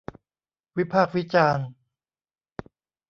วิพากษ์วิจารณ์